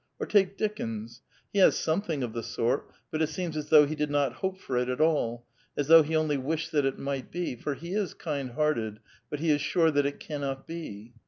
Or take Dickens ; he has something of the sort, but it seems as though' he did not hope for it at all, as though he only wished that it might be, for he is kind hearted, but he is sure that it cannot be.